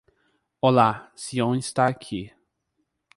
Olá, Siôn está aqui.